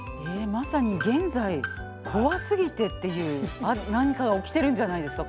まさに「現在」「怖すぎて」っていう何かが起きてるんじゃないですか？